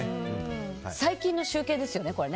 最近の集計ですよね、これ。